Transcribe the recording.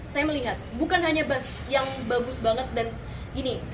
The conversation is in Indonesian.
saya melihat bukan hanya bus yang bagus banget dan ini